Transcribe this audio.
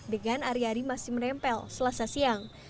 dengan ari ari masih menempel selasa siang